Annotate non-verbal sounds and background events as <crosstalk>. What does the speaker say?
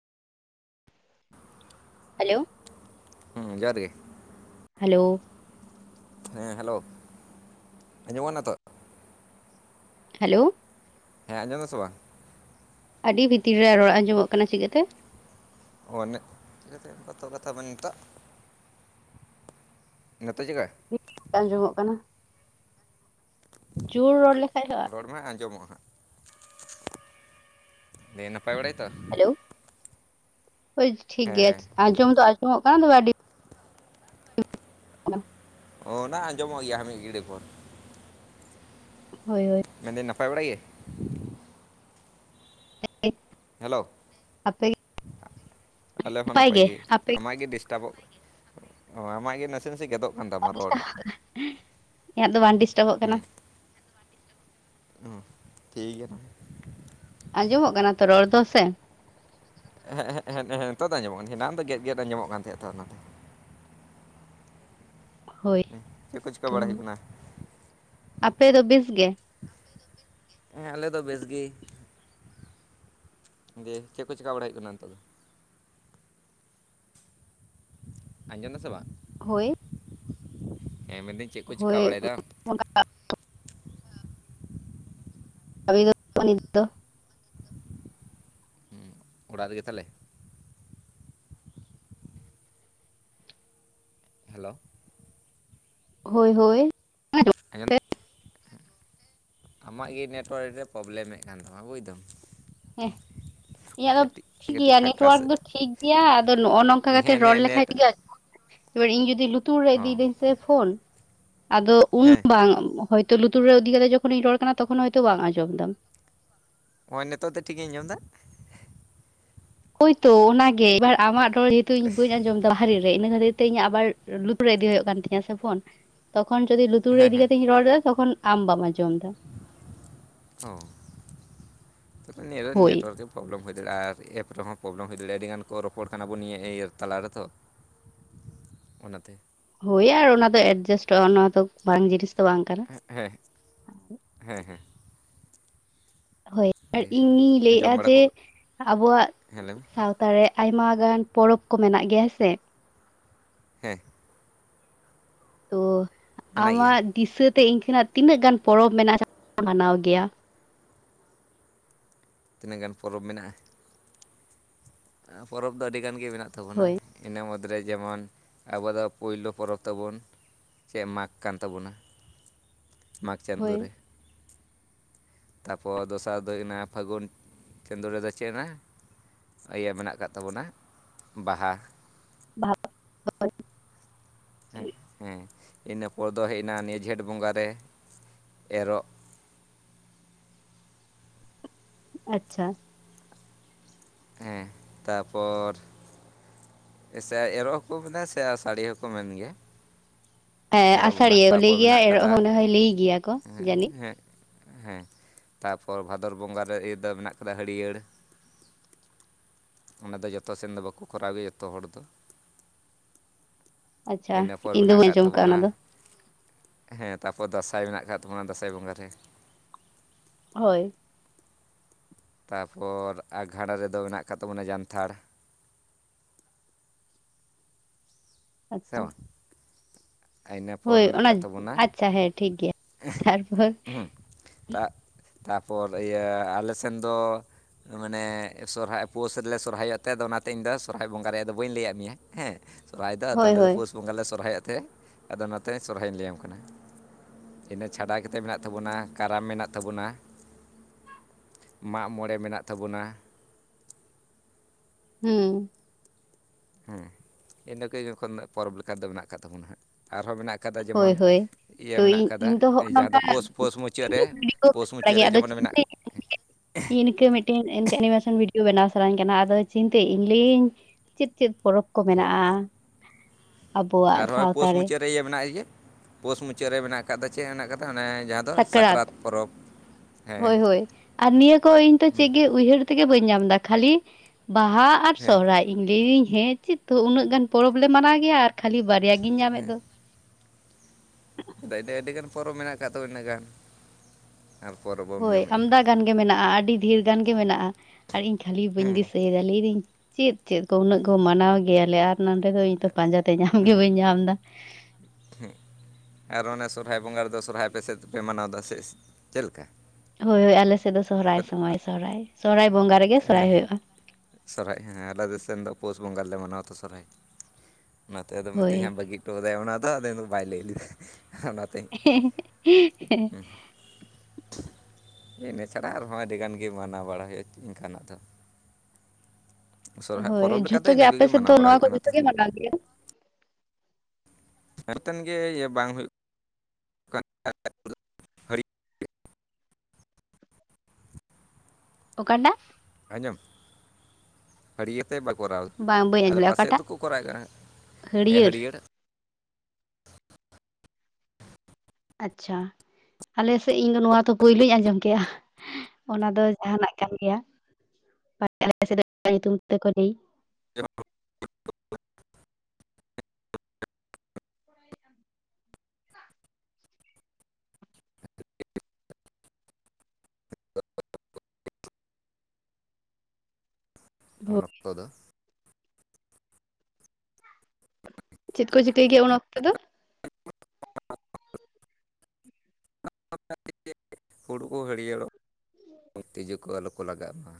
Hello. ᱦᱩᱸ ᱡᱚᱦᱟᱨ ᱜᱮ᱾ ᱦᱮᱞᱚ᱾ ᱦᱮᱸ ᱦᱟᱞᱚ ᱟᱸᱡᱚᱢᱚᱜ ᱠᱟᱱᱟ ᱛᱚ? ᱦᱟᱞᱚ᱾ ᱦᱮᱸ ᱟᱸᱡᱚᱢᱫᱟᱥᱮ ᱵᱟᱝ? ᱟᱹᱰᱤ ᱵᱷᱤᱛᱤᱨ ᱨᱮ ᱨᱚᱲ ᱟᱸᱡᱚᱢᱚᱜ ᱠᱟᱱᱟ ᱪᱤᱠᱟᱹᱛᱮ? ᱚᱱᱮᱜ <unintelligible> ᱱᱤᱛᱚᱜ ᱪᱮᱠᱟ ᱜᱤᱛᱤᱡ ᱵᱟᱝ ᱟᱸᱡᱚᱢᱚᱜ ᱠᱟᱱᱟ᱾ ᱡᱩᱨ ᱨᱚᱲ ᱞᱮᱠᱷᱟᱡ ᱫᱚ ᱨᱚᱲᱢᱮ ᱟᱸᱡᱚᱢᱚᱜᱼᱟ ᱦᱟᱸᱜ ᱱᱷᱟᱜ᱾ ᱞᱟᱹᱭᱟ ᱱᱟᱯᱟᱭ ᱵᱟᱲᱟ ᱜᱮᱛᱚ? ᱦᱚᱭ ᱴᱷᱤᱠ ᱜᱮᱭᱟ ᱦᱮᱸ ᱟᱸᱡᱚᱢ ᱫᱚ ᱟᱸᱡᱚᱢᱚᱜ ᱠᱟᱱᱟ ᱫᱚ ᱟᱹᱰᱤ <unintelligible> ᱚᱻ ᱚᱱᱟ ᱟᱸᱡᱚᱢᱚᱜ ᱜᱮᱭᱟ ᱢᱤᱜ ᱜᱟᱹᱲᱤ ᱯᱚᱨᱮ᱾ ᱦᱚᱭ ᱦᱚᱭ᱾ ᱢᱮᱱᱫᱟᱹᱧ ᱱᱟᱯᱟᱭ ᱵᱟᱲᱟ ᱜᱮ? <unintelligible> ᱦᱮᱞᱚ ᱟᱯᱮ ᱟᱞᱮ ᱦᱚᱸ ᱱᱟᱯᱟᱭ ᱜᱮ, ᱟᱢᱟᱜ ᱜᱮ ᱰᱤᱥᱴᱟᱵᱚᱜ ᱚ ᱟᱢᱟᱜ ᱜᱮ ᱱᱟᱥᱮ ᱱᱟᱥᱮ ᱜᱮᱫᱚᱜ ᱠᱟᱱ ᱛᱟᱢᱟ ᱨᱚᱲ <unintelligible> ᱤᱧᱟᱹᱜ ᱫᱚ ᱵᱟᱝ ᱰᱤᱥᱴᱟᱵᱚᱜ ᱠᱟᱱᱟ᱾ ᱚ᱾ ᱴᱷᱤᱠ ᱜᱮᱭᱟ ᱛᱟ ᱟᱸᱡᱚᱢᱚᱜ ᱠᱟᱱᱟ ᱛᱚ ᱨᱚᱲ ᱫᱚ ᱥᱮ? ᱦᱮᱸᱜ ᱦᱮᱸᱜ ᱦᱮᱸᱜ ᱱᱮᱦᱮᱸ ᱱᱤᱛᱚᱜ ᱫᱚ ᱟᱸᱡᱚᱢᱚᱜ ᱠᱟᱱᱟ ᱮᱱᱟᱝ ᱫᱚ ᱜᱮᱫ ᱜᱮᱫ ᱟᱸᱡᱚᱢᱚᱜ ᱠᱟᱱ ᱛᱟᱦᱮᱸᱫ ᱛᱚ ᱚᱱᱟ ᱫᱚ᱾ ᱦᱚᱭ᱾ ᱪᱮᱜ ᱠᱚ ᱪᱤᱠᱟ ᱵᱟᱲᱟ ᱦᱩᱭᱩᱜ ᱠᱟᱱᱟ? ᱟᱯᱮ ᱫᱚ ᱵᱮᱥ ᱜᱮ? ᱦᱮᱸ ᱟᱞᱮ ᱫᱚ ᱵᱮᱥ ᱜᱮ᱾ ᱫᱤᱭᱮ ᱪᱮᱜ ᱠᱚ ᱪᱮᱠᱟ ᱵᱟᱲᱟ ᱦᱩᱭᱩᱜ ᱠᱟᱱᱟ ᱱᱤᱛᱚᱜ ᱫᱚ? ᱟᱸᱡᱚᱢ ᱫᱟᱜ ᱥᱮ ᱵᱟᱝ? ᱦᱚᱭ᱾ ᱮ ᱢᱮᱱ ᱫᱟᱹᱧ ᱦᱚᱭ <unintelligible> ᱟᱢᱤ ᱫᱚ <unintelligible> ᱫᱚ ᱦᱩᱸ ᱚᱲᱟᱜ ᱨᱮᱜᱮ ᱛᱟᱦᱟᱞᱮ? ᱦᱮᱞᱚ ᱦᱚᱭ ᱦᱚᱭ᱾ <unintelligible> ᱟᱢᱟᱜ ᱜᱮ ᱱᱮᱴᱚᱣᱟᱨᱠ ᱨᱮ ᱯᱨᱚᱵᱞᱮᱢᱮᱫ ᱠᱟᱱ ᱛᱟᱢᱟ ᱵᱩᱡᱽᱫᱟᱢ᱾ ᱦᱮᱸ᱾ ᱤᱧᱟᱹᱜ ᱫᱚ ᱴᱷᱤᱠ ᱠᱟᱹᱴᱤᱡ ᱜᱮᱭᱟ ᱯᱷᱟᱸᱠᱟ ᱱᱮᱴᱚᱣᱟᱨᱠ ᱥᱮᱫ ᱫᱚ ᱴᱷᱤᱠ ᱜᱮᱭᱟ, ᱟᱫᱚ ᱱᱚᱜᱼᱚ ᱱᱚᱝᱠᱟ ᱠᱟᱛᱮ ᱦᱮᱸ ᱱᱮ ᱨᱚᱲ ᱱᱮᱴ ᱞᱮᱠᱷᱟᱡ <inaudible> ᱮᱵᱟᱨ ᱤᱧ ᱡᱩᱫᱤ ᱞᱩᱛᱩᱨ ᱨᱮ ᱦᱚᱸ ᱤᱫᱤᱭᱮᱫᱟᱹᱧ ᱥᱮ ᱯᱷᱳᱱ, ᱟᱫᱚ ᱩᱱ ᱦᱮᱸ <inaudible> ᱦᱚᱭᱛᱚᱞᱩᱛᱩᱨ ᱨᱮ ᱤᱫᱤ ᱠᱟᱛᱮ ᱡᱚᱠᱷᱚᱱᱤᱧ ᱨᱚᱲ ᱠᱟᱱᱟ ᱛᱚᱠᱷᱚᱱ ᱦᱚᱭᱛᱚ ᱵᱟᱝ ᱟᱸᱡᱚᱢ ᱫᱟᱢ᱾ ᱦᱚᱸᱜᱼᱚᱭ ᱱᱤᱛᱚᱜ ᱫᱚ ᱴᱷᱤᱠ ᱜᱤᱧ ᱟᱸᱡᱚᱢᱫᱟ᱾ ᱦᱳᱭᱛᱳ ᱚᱱᱟ ᱜᱮ ᱮᱵᱟᱨ ᱟᱢᱟᱜ ᱨᱚᱲ ᱡᱮᱦᱮᱛᱩ ᱤᱧ ᱵᱟᱹᱧ ᱟᱸᱡᱚᱢ <inaudible> ᱨᱮ, ᱤᱱᱟᱹ ᱠᱷᱟᱹᱛᱤᱨ ᱛᱮ ᱤᱧ ᱟᱵᱟᱨ ᱞᱩᱛᱩᱨ ᱨᱮ ᱤᱫᱤ ᱦᱩᱭᱩᱜ ᱠᱟᱱ ᱛᱤᱧᱟᱹ ᱥᱮ ᱯᱷᱚᱱ, ᱛᱚᱠᱷᱚᱱ ᱡᱚᱫᱤ ᱞᱩᱛᱩᱨ ᱨᱮ ᱦᱮᱸ ᱤᱫᱤ ᱦᱮᱸ ᱠᱟᱛᱮᱧ ᱨᱚᱲ ᱮᱫᱟ ᱛᱚᱠᱷᱚᱱ ᱟᱢ ᱵᱟᱢ ᱟᱸᱡᱚᱢᱫᱟ, ᱦᱚᱸ ᱛᱚᱵᱮ ᱱᱤᱭᱟᱹ ᱫᱚ ᱦᱳᱭ᱾ ᱱᱮᱴᱣᱟᱨᱠ ᱜᱮ ᱯᱨᱚᱵᱞᱮᱢ ᱦᱩᱭ ᱫᱟᱲᱮᱭᱟᱜᱼᱟ ᱟᱨ ᱮᱯ ᱨᱮᱦᱚᱸ ᱯᱨᱚᱵᱞᱮᱢ ᱦᱩᱭ ᱫᱟᱲᱮᱭᱟᱜᱼᱟ ᱟᱹᱰᱤᱜᱟᱱ ᱠᱚ ᱨᱚᱯᱚᱲ ᱠᱟᱱᱟ ᱵᱚᱱ ᱱᱤᱭᱟᱹ ᱤᱭᱟᱹ ᱛᱟᱞᱟᱨ ᱨᱮ ᱛᱚ᱾ ᱚᱱᱟ ᱛᱮ᱾ ᱦᱳᱭ ᱟᱨ ᱚᱱᱟ ᱫᱚ ᱮᱰᱡᱟᱥᱴᱚᱜᱼᱟ ᱚᱱᱟ ᱫᱚ ᱢᱟᱨᱟᱝ ᱡᱤᱱᱤᱥ ᱫᱚ ᱵᱟᱝ ᱠᱟᱱᱟ᱾ <unintelligible> ᱦᱮᱸ ᱦᱮᱸ᱾ ᱦᱳᱭ ᱟᱨ ᱫᱤᱭᱮ ᱤᱧᱤᱧ ᱡᱚᱢ ᱞᱟᱹᱭᱮᱜᱼᱟ ᱵᱟᱲᱟ ᱠᱚ ᱡᱮ, ᱟᱵᱚᱣᱟᱜ ᱦᱮᱸ ᱞᱟᱹᱭ ᱢᱮ ᱥᱟᱶ ᱛᱟ ᱨᱮ ᱟᱭᱢᱟ ᱜᱟᱱ ᱯᱚᱨᱚᱵᱽ ᱠᱚ ᱢᱮᱱᱟᱜ ᱜᱮᱭᱟ ᱦᱮᱸ ᱥᱮ, ᱦᱮᱸ᱾ ᱛᱚ ᱢᱮᱱᱟᱜ ᱜᱮᱭᱟ ᱟᱢᱟᱜ ᱫᱤᱥᱟᱹᱛᱮ ᱤᱝᱠᱟᱹᱱᱟᱜ ᱛᱤᱱᱟᱹᱜ ᱜᱟᱱ ᱯᱚᱨᱚᱵᱽ ᱢᱮᱱᱟᱜᱼᱟ ᱡᱟᱦᱟᱸ <inaudible> ᱢᱟᱱᱟᱣ ᱜᱮᱭᱟ? ᱛᱤᱱᱟᱹᱜ ᱜᱟᱱ ᱯᱚᱨᱚᱵᱽ ᱢᱮᱱᱟᱜᱼᱟ? ᱟᱸ ᱯᱚᱨᱚᱵᱽ ᱫᱚ ᱟᱹᱰᱤ ᱜᱟᱱ ᱜᱮ ᱢᱮᱱᱟᱜ ᱛᱟᱵᱚᱱᱟ᱾ ᱦᱳᱭ ᱤᱱᱟᱹ ᱢᱩᱫᱽᱨᱮ ᱡᱮᱢᱚᱱ, ᱟᱵᱚᱣᱟᱜ ᱫᱚ ᱯᱩᱭᱞᱳ ᱯᱚᱨᱚᱵᱽ ᱛᱟᱵᱚᱱ ᱪᱮᱫ ᱢᱟᱜᱽ ᱠᱟᱱ ᱛᱟᱵᱚᱱᱟ, ᱢᱟᱜᱽ ᱪᱟᱸᱫᱳ ᱦᱳᱭ ᱨᱮ, ᱛᱟᱯᱚᱨ ᱫᱚᱥᱟᱨ ᱫᱚ ᱦᱩᱭ ᱚᱱᱟ ᱯᱷᱟᱹᱜᱩᱱ ᱪᱟᱸᱫᱳ ᱨᱮᱫᱚ ᱪᱮᱫ ᱚᱱᱟ ᱤᱭᱟᱹ ᱢᱮᱱᱟᱜ ᱠᱟᱜ ᱛᱟᱵᱚᱱᱟ ᱵᱟᱦᱟ, ᱵᱟᱦᱟ ᱦᱮᱸ ᱦᱮᱸ, ᱤᱱᱟᱹ ᱯᱚᱨ ᱫᱚ ᱦᱮᱡ ᱮᱱᱟ ᱱᱤᱭᱟᱹ ᱡᱷᱮᱸᱴ ᱵᱚᱸᱜᱟ ᱨᱮ, ᱮᱨᱚᱜ᱾ ᱟᱪᱪᱷᱟ᱾ ᱦᱮᱸ, ᱛᱟᱯᱚᱨ ᱥᱮ ᱮᱨᱚᱜ ᱦᱚᱸ ᱠᱚ ᱢᱮᱱᱟ ᱥᱮ ᱟᱥᱟᱲᱤᱭᱟᱹ ᱦᱚᱸ ᱠᱚ ᱢᱮᱱ ᱜᱮᱭᱟ᱾ ᱦᱮᱸ ᱮᱨᱚᱜ ᱵᱚᱸᱜᱟ ᱟᱥᱟᱲᱤᱭᱟᱹ ᱠᱚ ᱞᱟᱹᱭ ᱛᱟᱯᱚᱨ ᱜᱮᱭᱟ ᱢᱮᱱᱟᱜ ᱮᱨᱚᱜ ᱠᱟᱫᱟ, ᱦᱚᱸ ᱚᱱᱟ ᱦᱚᱭ ᱞᱟᱹᱭ ᱜᱮᱭᱟ ᱠᱚ ᱡᱟᱹᱱᱤᱡ ᱦᱮᱸ ᱦᱮᱸ, ᱛᱟᱯᱚᱨ ᱵᱷᱟᱫᱚᱨ ᱵᱚᱸᱜᱟ ᱨᱮ ᱤᱭᱟᱹ ᱫᱚ ᱢᱮᱱᱟᱜ ᱠᱟᱫᱟ ᱦᱟᱹᱲᱤᱭᱟᱹᱲ, ᱚᱱᱟ ᱫᱚ ᱡᱚᱛᱚ ᱥᱮᱱ ᱫᱚ ᱵᱟᱠᱚ ᱠᱚᱨᱟᱣ ᱜᱮᱭᱟ ᱡᱚᱛᱚ ᱦᱚᱲ ᱫᱚ᱾ ᱟᱪᱪᱷᱟ ᱤᱱᱟᱹ ᱯᱚᱨ ᱤᱧ ᱫᱚ ᱢᱮᱱᱟᱜ ᱵᱟᱹᱧ ᱠᱟᱜ ᱟᱸᱡᱚᱢ ᱠᱟᱜᱼᱟ ᱚᱱᱟ ᱛᱟᱵᱚᱱᱟ ᱫᱚ ᱦᱮᱸ ᱛᱟᱯᱚᱨ ᱫᱟᱸᱥᱟᱭ ᱢᱮᱱᱟᱜ ᱠᱟᱜ ᱛᱟᱵᱚᱱᱟ ᱫᱟᱸᱥᱟᱭ ᱵᱚᱸᱜᱟ ᱨᱮ᱾ ᱦᱳᱭ᱾ ᱛᱟᱯᱚᱨ ᱟᱸᱜᱷᱟᱬ ᱨᱮᱫᱚ ᱢᱮᱱᱟᱜ ᱠᱟᱜ ᱛᱟᱵᱚᱱᱟ ᱡᱟᱱᱛᱷᱟᱲ, ᱥᱮ ᱟᱪᱪᱷᱟ᱾ ᱵᱟᱝ ᱤᱱᱟᱹ ᱯᱚᱨ ᱦᱳᱭ ᱢᱮᱱᱟᱜ ᱚᱱᱟ, ᱟᱠᱟᱫ ᱛᱟᱵᱚᱱᱟ ᱟᱪᱪᱷᱟ ᱦᱮᱸ ᱴᱷᱤᱠ ᱜᱮᱭᱟ ᱛᱟᱨᱯᱚᱨ᱾ ᱛᱟ ᱛᱟᱯᱚᱨ ᱤᱭᱟᱹ ᱟᱞᱮ ᱥᱮᱱ ᱫᱚ ᱢᱟᱱᱮ ᱥᱚᱨᱦᱟᱭ ᱯᱳᱥ ᱨᱮᱞᱮ ᱥᱚᱨᱦᱟᱭᱚᱜ ᱛᱮ ᱟᱫᱚ ᱚᱱᱟᱛᱮ ᱤᱧᱫᱚ ᱥᱚᱨᱦᱟᱭ ᱵᱚᱸᱜᱟ ᱨᱮᱭᱟᱜ ᱫᱚ ᱵᱟᱹᱧ ᱞᱟᱹᱭᱟᱜ ᱢᱮᱭᱟ ᱦᱮᱸ, ᱥᱚᱨᱦᱟᱭ ᱫᱚ ᱟᱫᱚ ᱦᱳᱭ ᱟᱞᱮ ᱫᱚ ᱦᱳᱭ ᱯᱳᱥ ᱵᱚᱸᱜᱟ ᱞᱮ ᱥᱚᱨᱦᱟᱭᱚᱜ ᱛᱮ, ᱟᱫᱚ ᱚᱱᱟᱛᱮ ᱥᱚᱨᱦᱟᱭᱤᱧ ᱞᱟᱹᱭᱟᱢ ᱠᱟᱱᱟ᱾ ᱤᱱᱟᱹ ᱪᱷᱟᱰᱟ ᱠᱟᱛᱮᱜ ᱢᱮᱱᱟᱜ ᱛᱟᱵᱚᱱᱟ ᱠᱟᱨᱟᱢ ᱢᱮᱱᱟᱜ ᱛᱟᱵᱚᱱᱟ, ᱢᱟᱜ ᱢᱚᱬᱮ ᱢᱮᱱᱟᱜ ᱛᱟᱵᱚᱱᱟ, ᱦᱩᱸ᱾ ᱦᱩᱸ ᱤᱱᱟᱹ ᱠᱚ ᱡᱚᱠᱷᱚᱱ ᱯᱚᱨᱚᱵᱽ ᱞᱮᱠᱟ ᱫᱚ ᱢᱮᱱᱟᱜ ᱠᱟᱜ ᱛᱟᱵᱚᱱᱟ ᱦᱟᱸᱜ, ᱟᱨᱦᱚᱸ ᱢᱮᱱᱟᱜ ᱠᱟᱫᱟ ᱦᱳᱭ ᱡᱮᱢᱚᱱ ᱦᱳᱭ ᱤᱭᱟᱹ ᱛᱚ ᱢᱮᱱᱟᱜ ᱤᱧ ᱤᱧ ᱠᱟᱫᱟ ᱫᱚ ᱦᱚᱜᱼᱚ ᱡᱟᱦᱟᱸ ᱱᱚᱝᱠᱟ ᱫᱚ ᱯᱳᱥ ᱯᱳᱥ ᱢᱩᱪᱟᱹᱫ ᱨᱮ, ᱵᱷᱤᱰᱭᱳ ᱯᱳᱥ ᱵᱟᱲᱟᱭ ᱢᱩᱪᱟᱹᱫ ᱜᱮᱭᱟ ᱨᱮ ᱟᱫᱚ ᱡᱮᱢᱚᱱ ᱢᱮᱱᱟᱜ ᱪᱤᱱᱛᱟᱹ <unintelligible> ᱤᱱᱠᱟᱹ ᱢᱤᱫ ᱴᱤᱱ ᱤᱱᱠᱟᱹ ᱮᱱᱤᱢᱮᱥᱚᱱ ᱵᱷᱤᱰᱭᱳ ᱵᱮᱱᱟᱣ ᱥᱟᱹᱱᱟᱹᱧ ᱠᱟᱱᱟ, ᱟᱫᱚ ᱪᱤᱱᱛᱟᱹᱭᱮᱫᱟᱹᱧ ᱞᱟᱹᱭᱤᱧ ᱪᱮᱫ ᱪᱮᱫ ᱯᱚᱨᱚᱵᱽ ᱠᱚ ᱪᱮᱫ ᱢᱮᱱᱟᱜᱼᱟ, ᱟᱵᱚᱣᱟᱜ ᱟᱨᱦᱚᱸ ᱥᱟᱶᱛᱟ ᱯᱳᱥ ᱨᱮ᱾ ᱢᱩᱪᱟᱹᱫ ᱤᱭᱟᱹ ᱢᱮᱱᱟᱜ ᱤᱭᱟᱹ ᱯᱳᱥ ᱢᱩᱪᱟᱹᱫ ᱨᱮ ᱢᱮᱱᱟᱜ ᱟᱠᱟᱫᱟ ᱪᱮᱫ ᱢᱮᱱᱟᱜ ᱟᱠᱟᱫᱟ ᱚᱱᱮ ᱡᱟᱦᱟᱸ ᱫᱚ ᱥᱟᱠᱨᱟᱛ ᱯᱚᱨᱚᱵᱽ ᱦᱮᱸ ᱦᱳᱭ ᱦᱳᱭ ᱟᱨ ᱱᱤᱭᱟᱹ ᱠᱚ ᱤᱧ ᱛᱚ ᱪᱮᱫ ᱜᱮ ᱩᱭᱦᱟᱹᱨ ᱛᱮᱜᱮ ᱵᱟᱹᱧ ᱧᱟᱢ ᱫᱟ, ᱠᱷᱟᱹᱞᱤ ᱵᱟᱦᱟ ᱟᱨ ᱦᱮᱸ ᱥᱚᱦᱚᱨᱟᱭ ᱤᱧ ᱞᱟᱹᱭᱫᱟᱹᱧ ᱦᱮᱸ ᱪᱮᱫ ᱛᱚ ᱩᱱᱟᱹᱜ ᱜᱟᱱ ᱯᱚᱨᱚᱵᱽ ᱞᱮ ᱢᱟᱱᱟᱣ ᱜᱮᱭᱟ, ᱟᱨ ᱠᱷᱟᱹᱞᱤ ᱵᱟᱨᱭᱟ ᱜᱤᱧ ᱧᱟᱢᱮᱫ ᱫᱚ᱾ ᱟᱹᱰᱤ ᱟᱹᱰᱤᱜᱟᱱ ᱯᱚᱨᱚᱵᱽ ᱢᱮᱱᱟᱜ ᱠᱟᱫ ᱛᱚ ᱤᱱᱟᱹᱜ ᱜᱟᱱ ᱟᱨ ᱯᱚᱨᱚᱵᱽ ᱦᱳᱭ ᱟᱢᱫᱟ ᱜᱟᱱ ᱜᱮ ᱢᱮᱱᱟᱜᱼᱟ, ᱟᱹᱰᱤ ᱰᱷᱤᱨ ᱜᱟᱱ ᱜᱮ ᱢᱮᱱᱟᱜᱼᱟ᱾ ᱟᱨ ᱤᱧ ᱠᱷᱟᱹᱞᱤ ᱵᱟᱹᱧ ᱦᱮᱸ ᱫᱤᱥᱟᱹᱭᱮᱫᱟ, ᱞᱟᱹᱭ ᱫᱟᱹᱧ ᱪᱮᱫ ᱪᱮᱫ ᱠᱚ ᱩᱱᱟᱹᱜ ᱠᱚ ᱢᱟᱱᱟᱣ ᱜᱮᱭᱟᱞᱮ, ᱟᱨ ᱱᱚᱰᱮ ᱫᱚ ᱤᱧ ᱛᱚ ᱯᱟᱸᱡᱟᱛᱮ ᱧᱟᱢ ᱜᱮ ᱦᱮᱸ ᱵᱟᱹᱧ ᱧᱟᱢ ᱫᱟ᱾ <unintelligible> ᱟᱨ ᱚᱱᱮ ᱥᱚᱨᱦᱟᱭ ᱵᱚᱸᱜᱟ ᱨᱮᱫᱚ ᱥᱚᱨᱦᱟᱭ ᱟᱯᱮ ᱥᱮᱫ ᱯᱮ ᱢᱟᱱᱟᱣᱫᱟ ᱥᱮ ᱪᱮᱫ ᱞᱮᱠᱟ? ᱦᱳᱭ ᱦᱳᱭ ᱟᱞᱮ ᱥᱮᱫ ᱫᱚ ᱟᱯᱮ ᱥᱚᱦᱨᱟᱭ ᱫᱚ ᱥᱚᱢᱚᱭ ᱥᱚᱦᱨᱟᱭ, ᱥᱚᱦᱨᱟᱭ ᱵᱚᱸᱜᱟ ᱨᱮᱜᱮ ᱦᱮᱸ ᱥᱚᱨᱦᱟᱭ ᱦᱮᱸ ᱦᱩᱭᱩᱜᱼᱟ᱾ ᱥᱚᱨᱦᱟᱭ ᱦᱮᱸ ᱟᱞᱮ ᱫᱤᱥᱚᱢ ᱫᱚ ᱯᱳᱥ ᱵᱚᱸᱜᱟᱞᱮ ᱢᱟᱱᱟᱣ ᱟᱛᱚ ᱥᱚᱦᱨᱟᱭ᱾ ᱚᱱᱟᱛᱮ ᱟᱫᱚ ᱦᱳᱭ ᱢᱤᱛᱟᱹᱧ ᱦᱟᱸᱜ ᱵᱟᱹᱜᱤ ᱴᱚ ᱟᱫᱟᱭ ᱚᱱᱟ ᱫᱚ ᱟᱫᱚ ᱵᱟᱭ ᱞᱟᱹᱭ ᱞᱮᱫᱟ᱾ <unintelligible> ᱤᱱᱟᱹ ᱪᱷᱟᱲᱟ ᱟᱨᱦᱚᱸ ᱟᱹᱰᱤᱜᱟᱱ ᱜᱮ ᱢᱟᱱᱟᱣ ᱵᱟᱲᱟ ᱦᱳᱭᱳᱜᱼᱟ ᱤᱱᱠᱟᱱᱟᱜ ᱫᱚ᱾ ᱥᱚᱨᱦᱟᱭ ᱦᱳᱭ ᱯᱚᱨᱚᱵᱽ ᱞᱮᱠᱟ ᱡᱷᱚᱛᱚ ᱫᱚ ᱜᱮ ᱤᱱᱟᱹ ᱟᱯᱮ ᱠᱚᱜᱮ ᱥᱮᱫ ᱫᱚ ᱢᱟᱱᱟᱣ ᱵᱟᱲᱟ ᱱᱚᱣᱟ ᱦᱩᱭᱩᱜ ᱠᱚ ᱠᱟᱱᱟ ᱡᱷᱚᱛᱚ ᱛᱚ ᱜᱮ ᱢᱟᱱᱟᱣ ᱜᱮᱭᱟ? <unintelligible> ᱜᱮ ᱤᱭᱟᱹ ᱵᱟᱝ ᱦᱩᱭᱩᱜ ᱠᱟᱱ ᱦᱟᱹᱲᱭᱟᱹᱨ ᱚᱠᱟᱴᱟᱜ? ᱟᱡᱚᱢ, ᱦᱟᱹᱲᱭᱟᱹ ᱛᱮ ᱵᱟ ᱠᱚᱨᱟᱣ ᱵᱟᱝ ᱵᱟᱹᱧ ᱟᱫᱚ ᱟᱸᱡᱚᱢ ᱞᱮᱫᱼᱟ ᱯᱟᱥᱮᱡ ᱚᱠᱟᱴᱟᱜ ᱫᱚᱠᱚ ᱠᱚᱨᱟᱣ ᱠᱟᱱᱟ ᱦᱮ ᱦᱟᱹᱲᱭᱟᱹᱨ ᱦᱟᱹᱲᱭᱟᱲ ᱟᱪᱪᱷᱟ᱾ ᱟᱞᱮ ᱥᱮᱫ ᱤᱧ ᱫᱚ ᱱᱚᱣᱟ ᱫᱚ ᱯᱳᱭᱞᱳᱧ ᱟᱸᱡᱚᱢ ᱠᱮᱜᱼᱟ ᱾ ᱚᱱᱟ ᱫᱚ ᱡᱟᱦᱟᱱᱟᱜ ᱠᱟᱱ ᱜᱮᱭᱟ᱾ <unintelligible> ᱛᱮᱠᱚ ᱞᱟᱹᱭ <unintelligible> ᱩᱱ ᱦᱳᱭ ᱚᱠᱛᱚ ᱫᱚ᱾ ᱪᱮᱫ ᱠᱚ ᱪᱤᱠᱟᱹᱭ ᱜᱮᱭᱟ ᱩᱱ ᱚᱠᱛᱚ ᱫᱚ? <unintelligible> ᱦᱩᱲᱩ ᱠᱚ ᱦᱟᱹᱲᱭᱟᱹᱲᱚᱜ, ᱛᱤᱡᱩ ᱠᱚ ᱟᱞᱚ ᱠᱚ ᱞᱟᱜᱟᱜ ᱢᱟ᱾